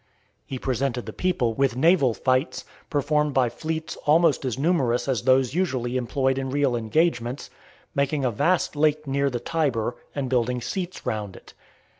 He presented the people with naval fights, performed by fleets almost as numerous as those usually employed in real engagements; making a vast lake near the Tiber , and building seats round it.